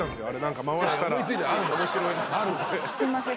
すいません。